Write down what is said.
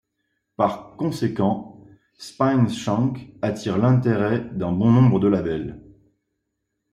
Par conséquent, Spineshank attire l'intérêt d'un bon nombre de labels.